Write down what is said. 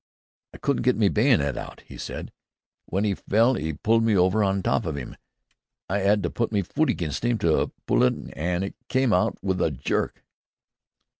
"I couldn't get me bayonet out," he said. "Wen 'e fell 'e pulled me over on top of 'im. I 'ad to put me foot against 'im an' pull, an' then it came out with a jerk."